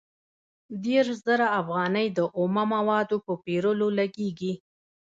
دېرش زره افغانۍ د اومه موادو په پېرلو لګېږي